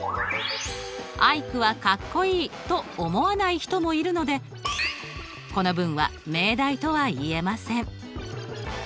「アイクはかっこいい」と思わない人もいるのでこの文は命題とは言えません。